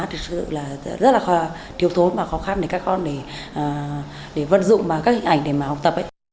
thực sự là rất là thiếu thốn và khó khăn để các con để vận dụng các hình ảnh để mà học tập ấy